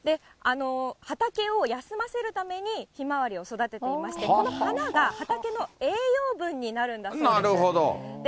畑を休ませるために、ひまわりを育てていまして、この花が畑の栄養分になるんだそうで。